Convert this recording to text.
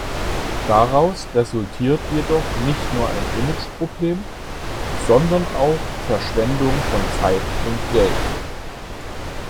Daraus resultiert jedoch nicht nur ein Imageproblem, sondern auch Verschwendung von Zeit und Geld.